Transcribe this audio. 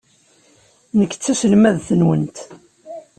Nekk d taselmadt-nwent.